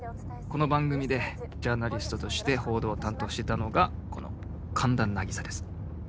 この番組でジャーナリストとして報道を担当していたのがこの神田凪沙です。